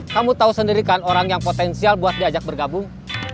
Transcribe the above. kamu tau sendirikan orang yang potensial buat diajak bergabung